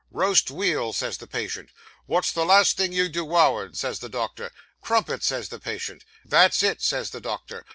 "Roast weal," says the patient. "Wot's the last thing you dewoured?" says the doctor. "Crumpets," says the patient. "That's it!" says the doctor.